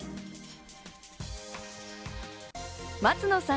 松野さん